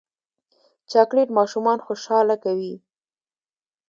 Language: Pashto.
چاکلېټ ماشومان خوشحاله کوي.